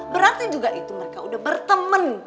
berarti juga itu mereka udah berteman